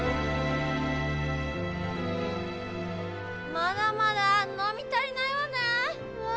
まだまだ飲み足りないわねえ。